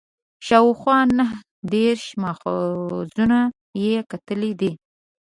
شاوخوا نهه دېرش ماخذونه یې کتلي دي.